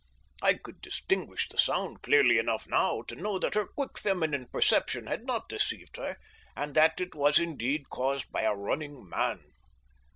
I could distinguish the sound clearly enough now to know that her quick, feminine perception had not deceived her, and that it was indeed caused by a running man.